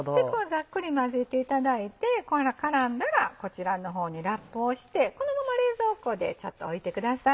ざっくり混ぜていただいてこれが絡んだらこちらの方にラップをしてこのまま冷蔵庫でちょっと置いてください。